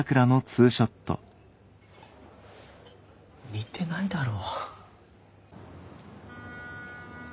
似てないだろ。